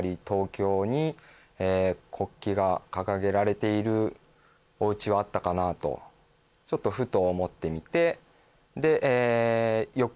東京に国旗が掲げられているおうちはあったかな？とちょっとふと思ってみてでえっ